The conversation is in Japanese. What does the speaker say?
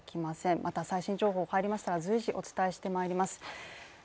また最新情報入りましたら随時お伝えしてまいります。